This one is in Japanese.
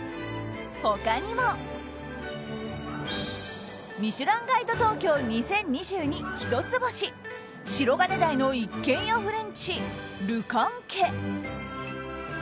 他にも、「ミシュランガイド東京２０２２」一つ星白金台の一軒家フレンチルカンケ。